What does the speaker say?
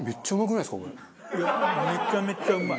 いやめちゃめちゃうまい。